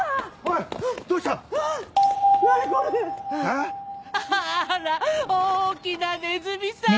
あら大きなネズミさん。